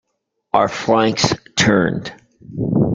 Our flank's turned.